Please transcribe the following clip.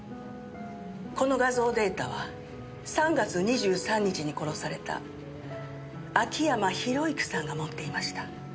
この画像データは３月２３日に殺された秋山博之さんが持っていました。